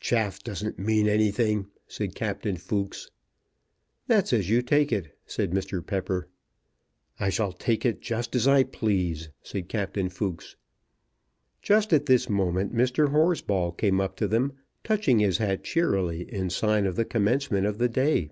"Chaff doesn't mean anything," said Captain Fooks. "That's as you take it," said Mr. Pepper. "I shall take it just as I please," said Captain Fooks. Just at this moment Mr. Horsball came up to them, touching his hat cheerily in sign of the commencement of the day.